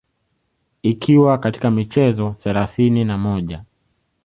ikiwa ni katika michezo thelathini na moja